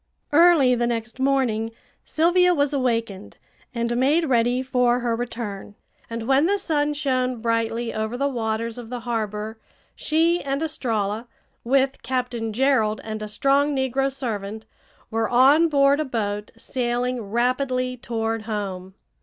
Early the next morning Sylvia was awakened and made ready for her return, and when the sun shone brightly over the waters of the harbor she and Estralla, with Captain Gerald and a strong negro servant, were on board a boat sailing rapidly toward home.